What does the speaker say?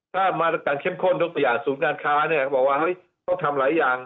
ถ้ามาตรการเข้มข้นทุกตัวอย่างสูงงานค้าบอกว่าต้องทำหลายอย่าง